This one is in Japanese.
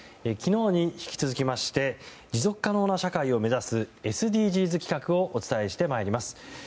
昨日に引き続きまして持続可能な社会を目指すＳＤＧｓ企画をお伝えしてまいります。